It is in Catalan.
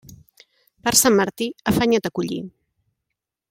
Per Sant Martí, afanya't a collir.